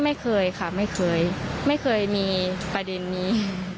ไม่เคยค่ะไม่เคยไม่เคยมีประเด็นนี้